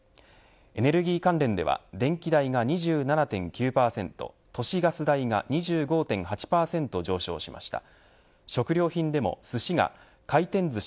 エネルギー関連では電気代が２７．９％都市ガス代が２５．８％上昇しました。